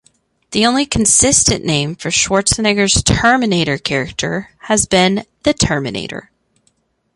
The only consistent name for Schwarzenegger's Terminator character has been "The Terminator".